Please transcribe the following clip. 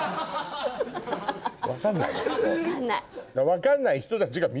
分かんない！